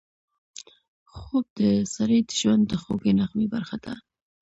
خوب د سړي د ژوند د خوږې نغمې برخه ده